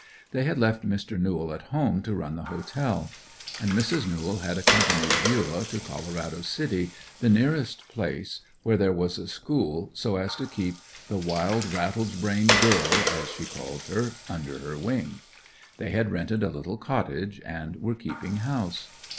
They had left Mr. Newell at home to run the Hotel. And Mrs. Newell had accompanied Bulah to Colorado City, the nearest place where there was a school, so as to keep "the wild rattled brain girl," as she called her, under her wing. They had rented a little cottage and were keeping house.